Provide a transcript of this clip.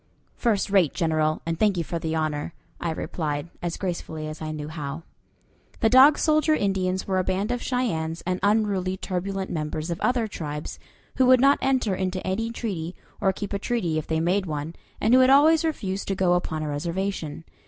"First rate, General, and thank you for the honor," I replied, as gracefully as I knew how. The Dog Soldier Indians were a band of Cheyennes and unruly, turbulent members of other tribes, who would not enter into any treaty, or keep a treaty if they made one, and who had always refused to go upon a reservation.